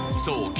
［そう。